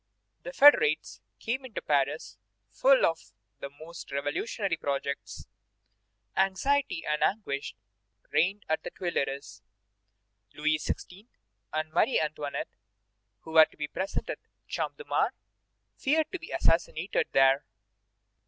The federates came into Paris full of the most revolutionary projects. Anxiety and anguish reigned at the Tuileries. Louis XVI. and Marie Antoinette, who were to be present in the Champ de Mars, feared to be assassinated there.